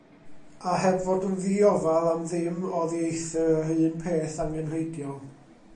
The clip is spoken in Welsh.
A heb fod yn ddiofal am ddim oddieithr yr un peth angenrheidiol.